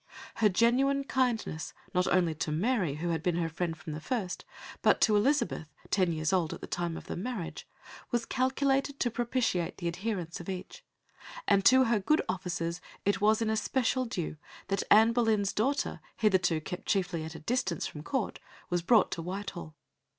Her genuine kindness, not only to Mary, who had been her friend from the first, but to Elizabeth, ten years old at the time of the marriage, was calculated to propitiate the adherents of each; and to her good offices it was in especial due that Anne Boleyn's daughter, hitherto kept chiefly at a distance from Court, was brought to Whitehall.